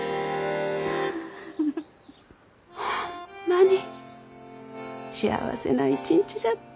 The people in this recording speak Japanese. ホンマに幸せな一日じゃった。